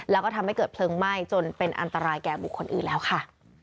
แล้วก็ทำให้เกิดเพลิงไหม้จนเป็นอันตรายแก่บุคคลอื่นแล้วค่ะ